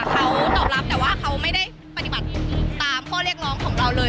เขาตอบรับแต่ว่าเขาไม่ได้ปฏิบัติตามข้อเรียกร้องของเราเลย